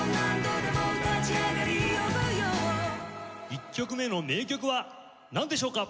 １曲目の名曲はなんでしょうか？